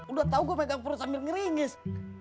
udah tau gua megang perut sambil ngeringis